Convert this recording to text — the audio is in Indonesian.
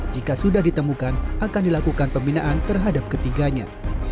jika sudah ditemukan akan dilakukan pembinaan terhadap ketiganya